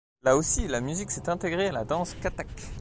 Là aussi, la musique s'est intégrée à la danse kathak.